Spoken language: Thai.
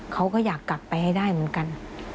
เขาก็อยากกลับไปให้ได้เหมือนกัน